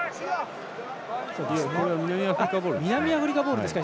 南アフリカボールですね。